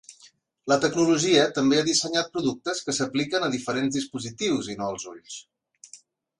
La tecnologia també ha dissenyat productes que s'apliquen a diferents dispositius i no als ulls.